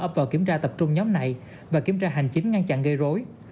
ập vào kiểm tra tập trung nhóm này và kiểm tra hành chính ngăn chặn gây rối